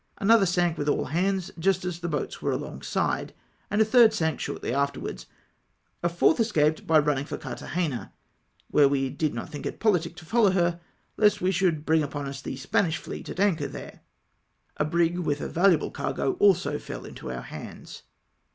Another sank with all hands, just as the boats were alongside, and a tliird sank shortly afterwards. A fourth escaped by rmining for Carthagena, where we did not think it pohtic to follow her, lest we might bring upon us the Spanish fleet at anchor there. A brig Avith a valuable cargo also fell into our hands.